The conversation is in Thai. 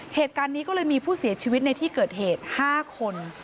เหตุการณ์นี้ก็เลยมีผู้เสียชีวิตในที่เกิดเหตุ๕คน